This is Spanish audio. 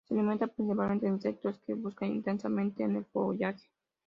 Se alimenta principalmente de insectos que busca intensamente en el follaje.